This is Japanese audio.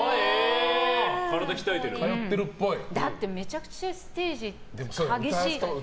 体鍛えてる？だってめちゃくちゃステージ激しい。